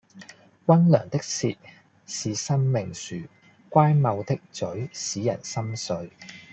溫良的舌是生命樹，乖謬的嘴使人心碎